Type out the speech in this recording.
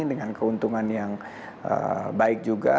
dengan keuntungan yang baik juga